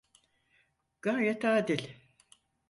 Gayet adil.